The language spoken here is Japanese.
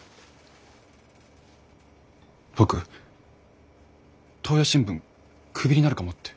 僕東洋新聞クビになるかもって。